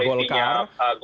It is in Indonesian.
poros koalisinya golkar